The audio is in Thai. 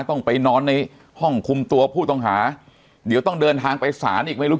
ต้องไปนอนในห้องคุมตัวผู้ต้องหาเดี๋ยวต้องเดินทางไปศาลอีกไม่รู้